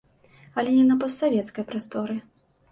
Але не на постсавецкай прасторы.